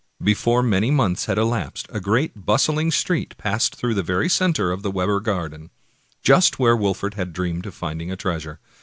Before many months had elapsed a great, bustling street passed through the very center of the Webber garden, just where Wolfert had dreamed of finding a treasure.